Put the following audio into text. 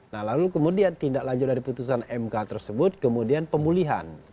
nah lalu kemudian tindak lanjut dari putusan mk tersebut kemudian pemulihan